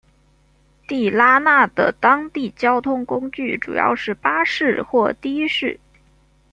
地拉那的当地交通工具主要是巴士或的士。